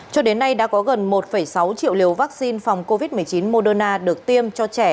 cho đến nay đã có gần một sáu triệu liều vaccine phòng covid một mươi chín moderna được tiêm cho trẻ